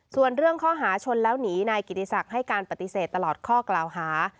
ส่วนเรื่องข้อหาชนแล้วหนีนายกิติศักดิ์ให้การปฏิเสธตลอดข้อกล่าวหา